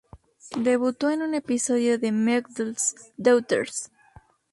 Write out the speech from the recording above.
Debutó en un episodio de "McLeod's Daughters".